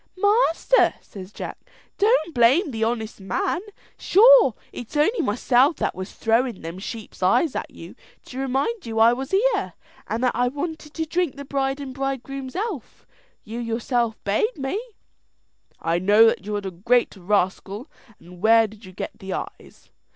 "Master," says Jack, "don't blame the honest man. Sure it's only myself that was thrown' them sheep's eyes at you, to remind you I was here, and that I wanted to drink the bride and bridegroom's health. You know yourself bade me." "I know that you are a great rascal; and where did you get the eyes?"